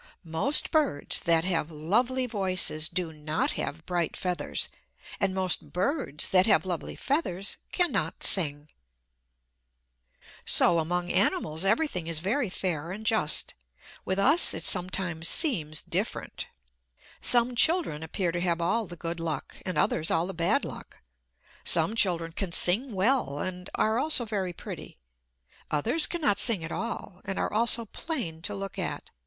Most birds that have lovely voices do not have bright feathers; and most birds that have lovely feathers cannot sing. So among animals everything is very fair and just. With us it sometimes seems different. Some children appear to have all the good luck, and others all the bad luck. Some children can sing well, and are also very pretty; others cannot sing at all, and are also plain to look at.